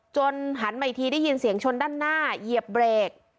หันมาอีกทีได้ยินเสียงชนด้านหน้าเหยียบเบรก